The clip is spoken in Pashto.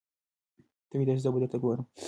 ته ویده شه زه به درته ګورم.